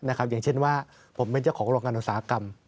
อย่างเช่นว่าผมเป็นเจ้าของโรงงานอุตสาหกรรม